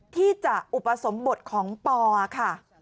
ที่จะอุปสมบทของปอค่ะ